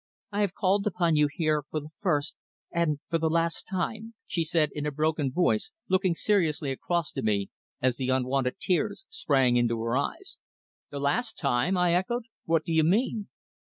"I have called upon you here for the first and for the last time," she said in a broken voice, looking seriously across to me, as the unwonted tears sprang into her eyes. "The last time!" I echoed. "What do you mean?"